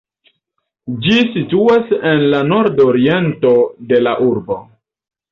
Ĝi situas en la nordoriento de la urbo.